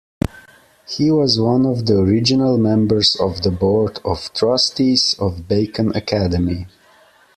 He was one the original members of the board of trustees of Bacon Academy.